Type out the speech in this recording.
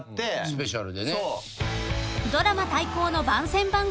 スペシャルでね。